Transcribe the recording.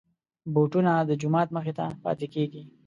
بوټونه د جومات مخې ته پاتې کېږي.